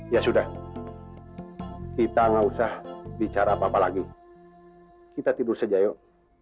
ya sudah kita gak usah bicara apa apa lagi kita tidur saja yuk